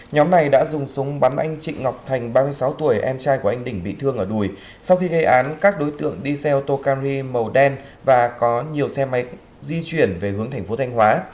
nhóm này đã dùng súng bắn anh chị ngọc thành ba mươi sáu tuổi em trai của anh đỉnh bị thương ở đùi sau khi gây án các đối tượng đi xe ô tô canri màu đen và có nhiều xe máy di chuyển về hướng thành phố thanh hóa